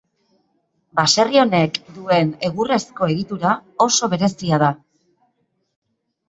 Baserri honek duen egurrezko egitura oso berezia da.